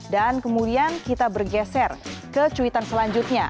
dan kemudian kita bergeser ke cuitan selanjutnya